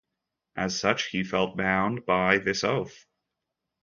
As such, he felt bound by this oath.